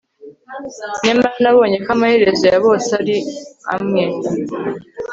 nyamara nabonye ko amaherezo ya bose ari amwe